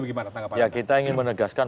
bagaimana tanggapan ya kita ingin menegaskan